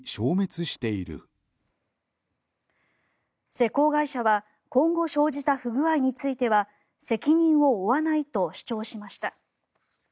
施工会社は今後生じた不具合については責任を負わないと主張しました。